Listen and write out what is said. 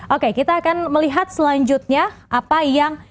oke kita akan melihat selanjutnya apa yang